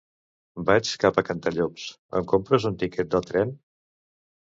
Vaig cap a Cantallops; em compres un tiquet de tren?